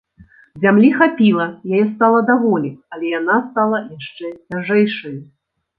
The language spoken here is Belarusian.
Зямлі хапіла, яе стала даволі, але яна стала яшчэ цяжэйшаю.